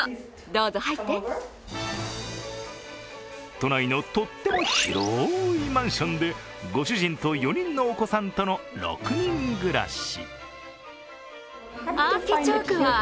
都内のとっても広いマンションでご主人と４人のお子さんとの６人暮らし。